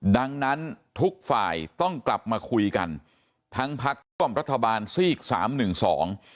ดังนั้นทุกฝ่ายต้องกลับมาคุยกันทั้งพักคว่ออำนาจกรรมสี่สามหนึ่งสอง